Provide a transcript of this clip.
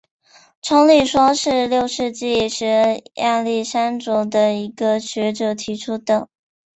冲力说是六世纪时亚历山卓的一个学者提出的。